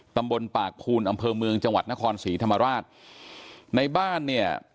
ตำบลปากภูนอำเภอเมืองจังหวัดนครศรีธรรมราชในบ้านเนี่ย